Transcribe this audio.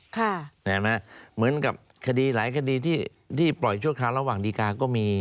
เห็นไหมเหมือนกับคดีหลายคดีที่ปล่อยชั่วคราวระหว่างดีการก็มี